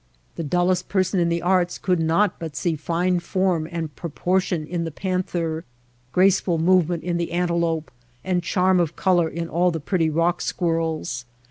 The dullest person in the arts could not but see fine form and pro portion in the panther, graceful movement in DESERT ANIMALS 173 the antelope^ and charm of color in all the pretty rock squirrels.